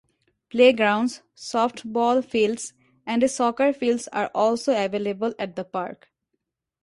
Playgrounds, softball fields, and a soccer fields are also available at the park.